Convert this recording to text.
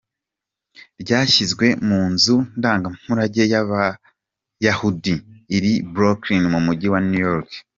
Ryashyizwe mu nzu ndangamurage y’Abayahudi iri i Brooklyn mu mujyi wa New York.